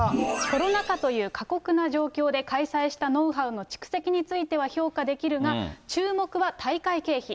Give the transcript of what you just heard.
コロナ禍という過酷な状況で開催したノウハウの蓄積については評価できるが、注目は大会経費。